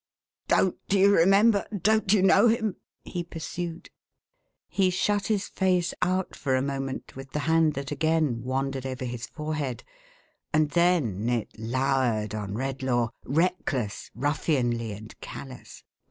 " Don't you remember ? Don't you know him ?" he pursued. He shut his face out for a moment, with the hand that again wandered over his forehead, and then it lowered on Redlaw, reckless, ruffianly, and callous.